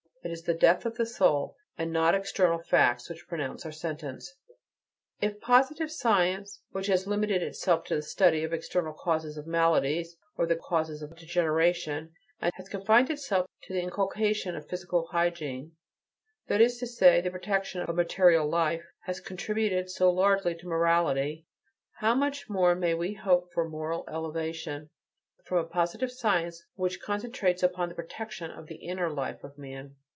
It is this death of the soul and not external facts which pronounce our sentence. If positive science, which has limited itself to the study of the external causes of maladies, or the causes of degeneration, and has confined itself to the inculcation of physical hygiene that is to say, the protection of material life has contributed so largely to morality, how much more may we hope for moral elevation from a positive science which concentrates upon the protection of the "inner life" of man?